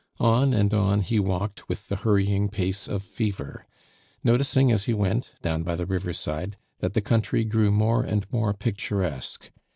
On and on he walked with the hurrying pace of fever, noticing as he went, down by the riverside, that the country grew more and more picturesque.